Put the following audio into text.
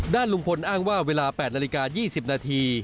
ด้านลุงพลอ้างว่าเวลา๘นาฬิกา๒๐นาที